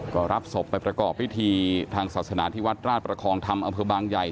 ก็รับศพไปประกอบพิธีทางศาสนาที่วัดราชประคองธรรมอำเภอบางใหญ่